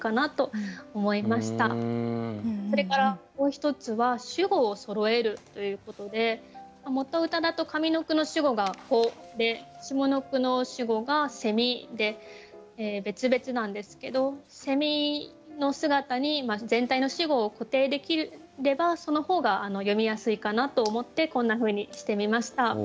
それからもう一つは主語をそろえるということで元歌だと上の句の主語が「子」で下の句の主語が「」で別々なんですけどの姿に全体の主語を固定できればその方が詠みやすいかなと思ってこんなふうにしてみました。